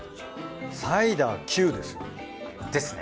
サイダー９ですよね。ですね。